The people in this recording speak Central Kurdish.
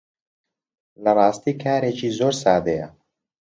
لە ڕاستی کارێکی زۆر سادەیە